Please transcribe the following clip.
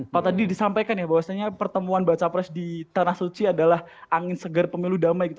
pak tadi disampaikan ya bahwasannya pertemuan baca pres di tanah suci adalah angin segar pemilu damai gitu